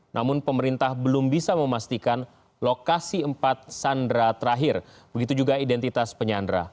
namun pemerintah belum bisa memastikan lokasi empat sandera terakhir begitu juga identitas penyandra